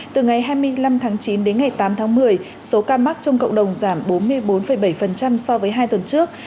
từ ngày hai mươi năm tháng chín đến ngày tám tháng một mươi số ca mắc trong cộng đồng giảm bốn mươi bốn bảy so với hai tuần trước